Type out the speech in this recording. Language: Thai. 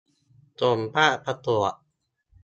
ส่งภาพประกวด